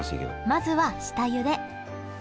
まずは下ゆで。